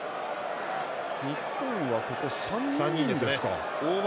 日本は、ここ３人ですか。